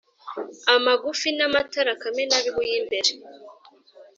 amagufi n’amatara kamenabihu y’imbere